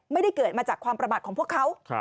ไม่ได้เกิดมาจากความประมาทของพวกเขา